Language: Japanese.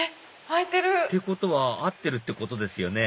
⁉開いてる！ってことは合ってるってことですよね